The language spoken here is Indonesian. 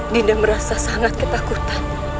dinda merasa sangat ketakutan